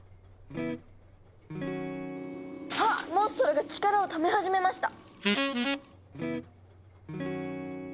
あっモンストロが力をため始めました。